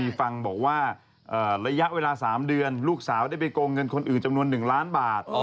มีฟังบอกว่าระยะเวลา๓เดือนลูกสาวได้ไปโกงเงินคนอื่นจำนวน๑ล้านบาท